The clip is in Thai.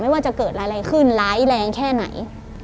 ว่าจะเกิดอะไรขึ้นร้ายแรงแค่ไหน